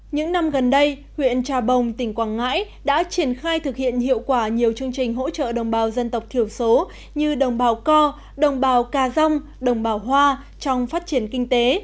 những năm gần đây huyện trà bồng tỉnh quảng ngãi đã triển khai thực hiện hiệu quả nhiều chương trình hỗ trợ đồng bào dân tộc thiểu số như đồng bào co đồng bào cà rông đồng bào hoa trong phát triển kinh tế